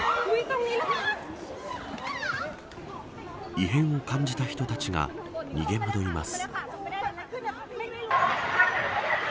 異変を感じた人たちが逃げ惑います。